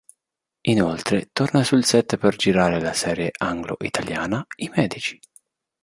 Inoltre torna sul set per girare la serie anglo-italiana "I Medici".